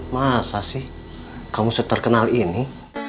masa sih kamu seterkenal ini